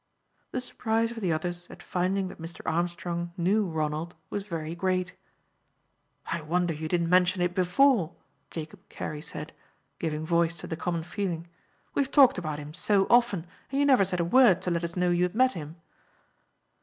The surprise of the others at finding that Mr. Armstrong knew Ronald was very great. "I wonder you didn't mention it before," Jacob Carey said, giving voice to the common feeling. "We have talked about him so often, and you never said a word to let us know you had met him."